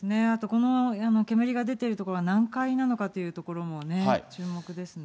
この煙が出ている所が何階なのかというところもね、注目ですね。